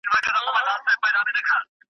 سړي سمدستي کلا ته کړ دننه .